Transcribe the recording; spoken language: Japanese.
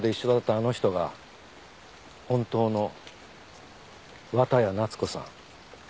あの人が本当の綿谷夏子さん。